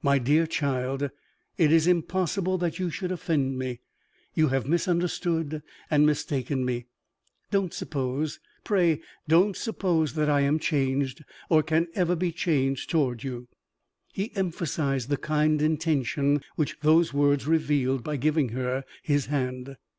"My dear child, it is impossible that you should offend me; you have misunderstood and mistaken me. Don't suppose pray don't suppose that I am changed or can ever be changed toward you." He emphasized the kind intention which those words revealed by giving her his hand.